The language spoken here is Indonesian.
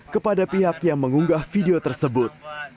kepada pihak yang mengunggah video tersebut